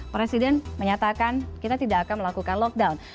presiden menyatakan kita tidak akan melakukan lockdown